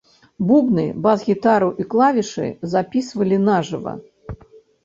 Бубны, бас-гітару і клавішы запісвалі на жыва.